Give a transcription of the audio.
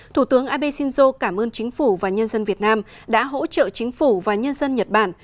thủ tướng abe shinzo cảm ơn chính phủ và nhân dân việt nam đã hỗ trợ chính phủ và nhân dân nhật bản